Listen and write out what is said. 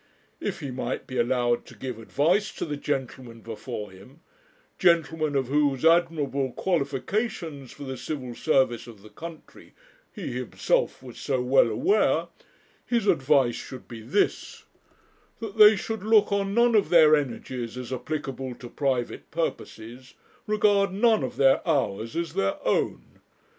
If he might be allowed to give advice to the gentlemen before him, gentlemen of whose admirable qualifications for the Civil Service of the country he himself was so well aware, his advice should be this That they should look on none of their energies as applicable to private purposes, regard none of their hours as their own.